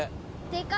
でか！